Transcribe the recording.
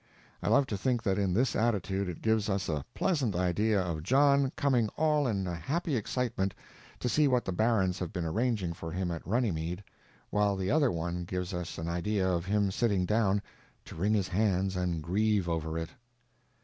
I love to think that in this attitude it gives us a pleasant idea of John coming all in a happy excitement to see what the barons have been arranging for him at Runnymede, while the other one gives us an idea of him sitting down to wring his hands and grieve over it.